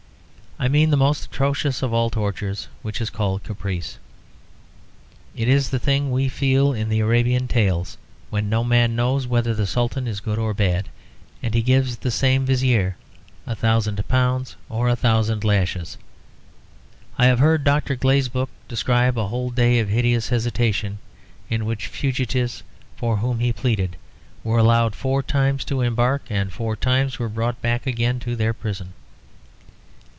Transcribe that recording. I mean the most atrocious of all tortures, which is called caprice. It is the thing we feel in the Arabian tales, when no man knows whether the Sultan is good or bad, and he gives the same Vizier a thousand pounds or a thousand lashes. I have heard Dr. Glazebrook describe a whole day of hideous hesitation, in which fugitives for whom he pleaded were allowed four times to embark and four times were brought back again to their prison.